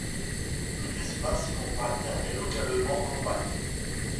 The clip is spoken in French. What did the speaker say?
Tout espace compact est localement compact.